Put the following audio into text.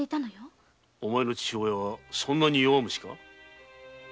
お前の父親はそんなに弱虫か？